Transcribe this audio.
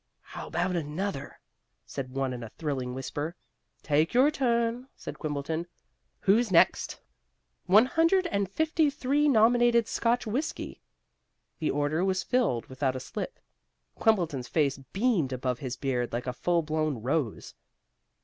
"How about another?" said one in a thrilling whisper. "Take your turn," said Quimbleton. "Who's next?" One hundred and fifty three nominated Scotch whiskey. The order was filled without a slip. Quimbleton's face beamed above his beard like a full blown rose.